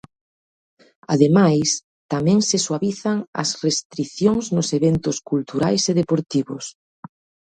Ademais, tamén se suavizan as restricións nos eventos culturais e deportivos.